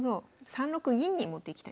３六銀に持っていきたいんですね。